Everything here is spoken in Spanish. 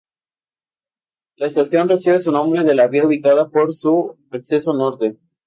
La estación recibe su nombre de la vía ubicada por su acceso norte.